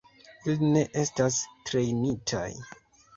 Ili ne estas trejnitaj.